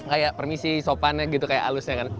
kayak permisi sopannya gitu kayak halusnya kan